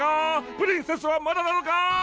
プリンセスはまだなのか！